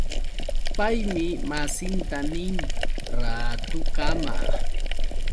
Paymi masinta nin: Raatukama.